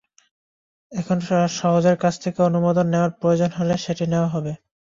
এখন সওজের কাছ থেকে অনুমোদন নেওয়ার প্রয়োজন হলে সেটি নেওয়া হবে।